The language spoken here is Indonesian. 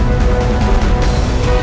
selamat ya pak